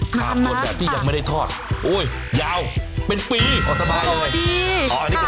พากอนแบบนี้ที่ยังไม่ได้ทอดไร้ปี